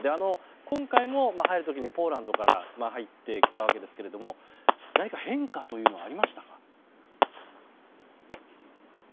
今回も入る時にポーランドから入ってきたわけですが何か変化というのはありましたか？